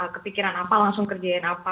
kepikiran apa langsung kerjain apa